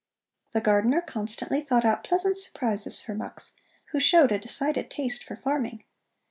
The gardener constantly thought out pleasant surprises for Mux, who showed a decided taste for farming.